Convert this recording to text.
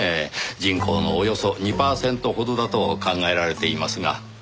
人口のおよそ２パーセントほどだと考えられていますが。